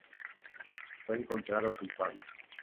Fue encontrado culpable.